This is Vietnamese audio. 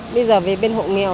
bây giờ về bên hậu nghèo